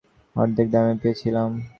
অর্ধেক দামে পেয়েছিলাম।